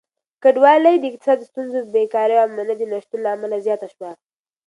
کډوالي د اقتصادي ستونزو، بېکاري او امنيت د نشتون له امله زياته شوه.